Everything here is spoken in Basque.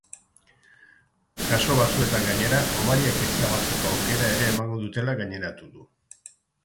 Kasu batzuetan, gainera, hobariak ezabatzeko aukera ere emango dutela gaineratu du.